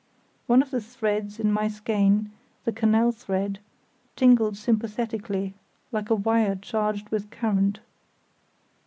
One of the threads in my skein, the canal thread, tingled sympathetically, like a wire charged with current.